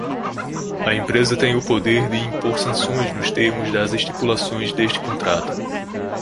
A empresa tem o poder de impor sanções nos termos das estipulações deste contrato.